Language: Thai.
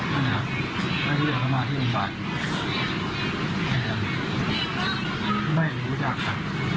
แล้วพี่เดี๋ยวเขามาที่โรงพยาบาลไม่รู้จักค่ะ